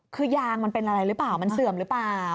คือยางมันเป็นอะไรหรือเปล่ามันเสื่อมหรือเปล่า